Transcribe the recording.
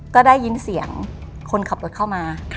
ก็ได้ยินเสียงคนขับรถเข้ามา